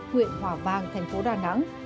huyện hòa vàng thành phố đà nẵng